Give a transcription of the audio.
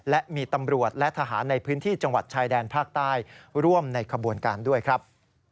และมีตำรวจและทหารในพื้นที่จังหวัดชายแดนภาคใต้ร่วมในขบวนการด้วยครับ